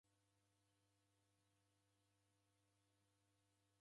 Ndoubonyere ilagho jingi.